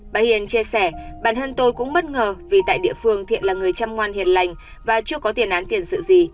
bà hiền chia sẻ bản thân tôi cũng bất ngờ vì tại địa phương thiện là người chăm ngoan hiền lành và chưa có tiền án tiền sự gì